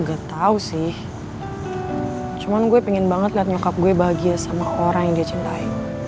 gak tau sih cuman gue pengen banget lihat lokap gue bahagia sama orang yang dia cintai